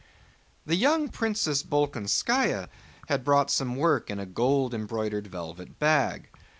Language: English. The young Princess Bolkónskaya had brought some work in a gold embroidered velvet bag.